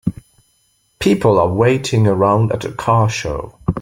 People are waiting around at car show.